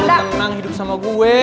tenang hidup sama gue